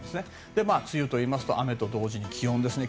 梅雨といいますと雨と同時に気温ですね。